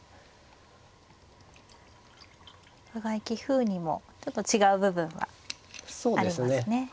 お互い棋風にもちょっと違う部分がありますね。